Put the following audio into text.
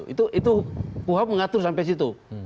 itu puhab mengatur sampai situ